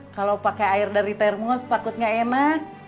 kalau pakai air dari termos takutnya enak